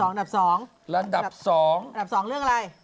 อันดับสองอันดับสองอันดับสองเรื่องอะไร